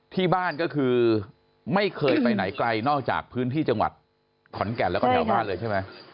ที่บ้านก็คือไม่เคยไปไหนไกลนอกจากพื้นที่จังหวัดขอนแก่นแล้วก็แถวบ้านเลยใช่ไหม